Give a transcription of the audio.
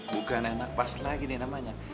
bukan anak pas lagi nih namanya